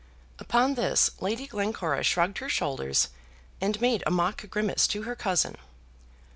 Upon this, Lady Glencora shrugged her shoulders, and made a mock grimace to her cousin.